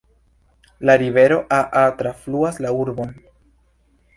La rivero Aa trafluas la urbon.